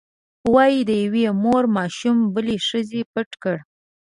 وایي د یوې مور ماشوم بلې ښځې پټ کړ.